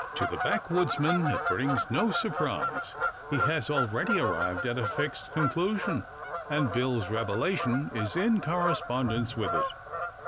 To the backwoodsman it brings no surprise. He has already arrived at a fixed conclusion, and Bill's revelation is in correspondence with it.